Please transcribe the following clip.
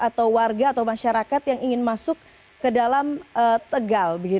atau warga atau masyarakat yang ingin masuk ke dalam tegal